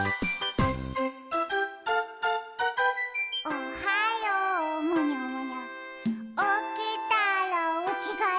「おはようむにゃむにゃおきたらおきがえ」